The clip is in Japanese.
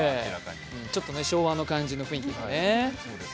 ちょっと昭和の感じの雰囲気がね。